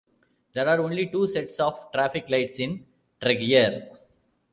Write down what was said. There are only two sets of traffic lights in Tregear.